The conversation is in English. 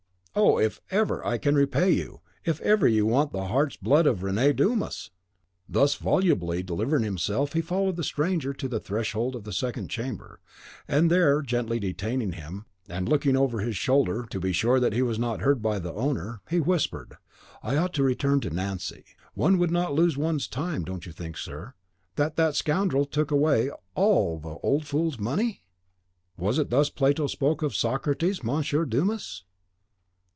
Oh, if ever I can repay you, if ever you want the heart's blood of Rene Dumas!" Thus volubly delivering himself, he followed the stranger to the threshold of the second chamber, and there, gently detaining him, and after looking over his shoulder, to be sure that he was not heard by the owner, he whispered, "I ought to return to Nancy. One would not lose one's time, you don't think, sir, that that scoundrel took away ALL the old fool's money?" "Was it thus Plato spoke of Socrates, Monsieur Dumas?"